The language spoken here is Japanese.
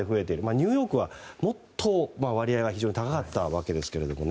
ニューヨークは、もっと割合が非常に高かったわけですが。